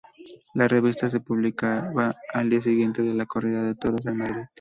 La revista se publicaba al día siguiente de la corrida de toros en Madrid.